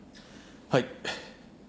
はい。